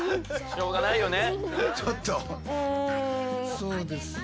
そうですね。